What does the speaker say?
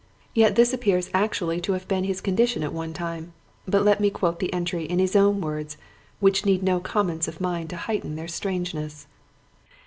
Yet this appears actually to have been his condition at one time but let me quote the entry in his own words, which need no comments of mine to heighten their strangeness.